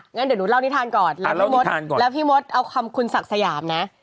งั้นเดี๋ยวหนูเล่านิทานก่อนแล้วพี่มดแล้วพี่มดเอาคำคุณศักดิ์สยามนะ